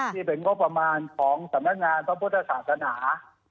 ที่เป็นงบประมาณของศพลศาสนา